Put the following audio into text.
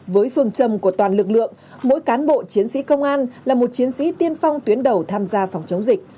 với phương châm của toàn lực lượng mỗi cán bộ chiến sĩ công an là một chiến sĩ tiên phong tuyến đầu tham gia phòng chống dịch